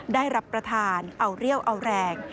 ได้รับประทานเอาเรี่ยวเอาแรง